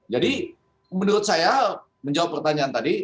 jadi menurut saya menjawab pertanyaan tadi